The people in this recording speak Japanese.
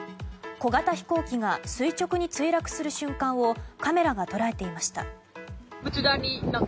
小型飛行機が垂直に墜落する瞬間をカメラが捉えていました。